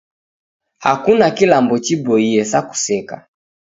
Hakuna kilambo chiboie sa kuseka